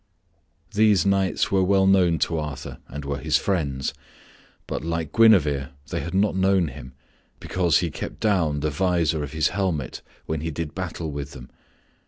These knights were well known to Arthur and were his friends; but like Guinevere they had not known him, because he kept down the visor of his helmet when he did battle with them.